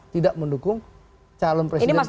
tidak mendukung calon presiden